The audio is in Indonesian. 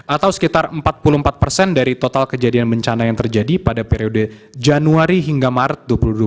atau sekitar empat puluh empat persen dari total kejadian bencana yang terjadi pada periode januari hingga maret dua ribu dua puluh tiga